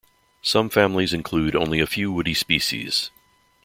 Some families include only a few woody species.